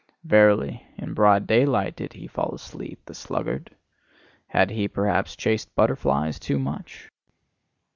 Verily, in broad daylight did he fall asleep, the sluggard! Had he perhaps chased butterflies too much?